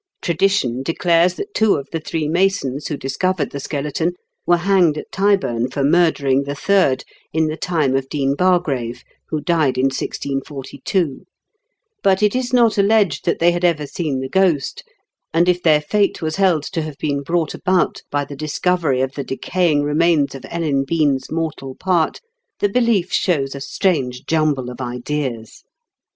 Tradition declares that two of the three masons who discovered the skeleton were hanged at Tyburn for murdering the third, in the time of Dean Bargrave, who died in 1642 ; but it is not alleged that they had ever seen the ghost, and if their fate was held to have been brought about by the discovery of the decaying remains of Ellen Bean's mortal part, the belief show3 a strange jumble of ideas.